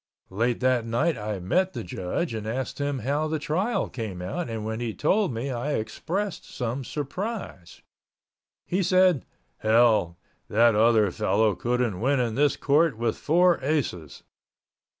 Late that night I met the judge and asked him how the trial came out and when he told me I expressed some surprise. He said, "Hell, that other fellow couldn't win in this court with four aces!"